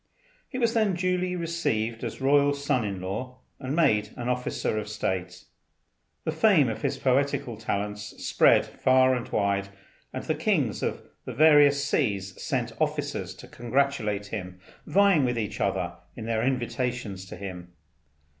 He was then duly received as royal son in law and made an officer of state. The fame of his poetical talents spread far and wide, and the kings of the various seas sent officers to congratulate him, vying with each other in their invitations to him.